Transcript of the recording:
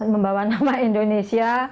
membawa nama indonesia